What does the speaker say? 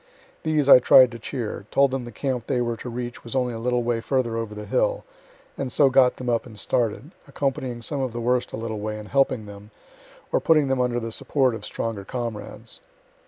These I tried to cheer, told them the camp they were to reach was only a little way further over the hill, and so got them up and started, accompanying some of the worst a little way, and helping them, or putting them under the support of stronger comrades.